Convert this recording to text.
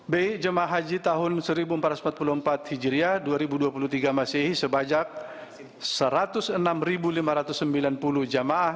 b jemaah haji tahun seribu empat ratus empat puluh empat hijriah dua ribu dua puluh tiga masih sebajak satu ratus enam lima ratus sembilan puluh jemaah